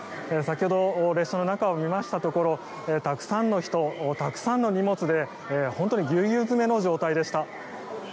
先ほど列車の中を見ましたところたくさんの人、たくさんの荷物で本当にぎゅうぎゅう詰めの状態でした。